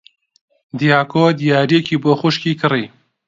دیاکۆ دیارییەکی بۆ خوشکی کڕی.